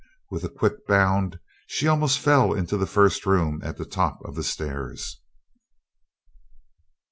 With a quick bound she almost fell into the first room at the top of the stairs.